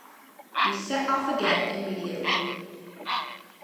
We set off again immediately.